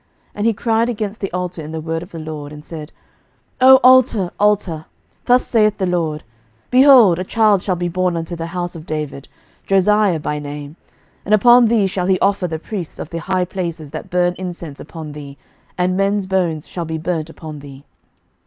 11:013:002 And he cried against the altar in the word of the LORD, and said, O altar, altar, thus saith the LORD; Behold, a child shall be born unto the house of David, Josiah by name; and upon thee shall he offer the priests of the high places that burn incense upon thee, and men's bones shall be burnt upon thee.